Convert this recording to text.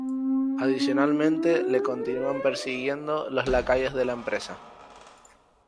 Adicionalmente le continúan persiguiendo los lacayos de la empresa.